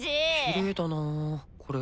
きれいだなこれ。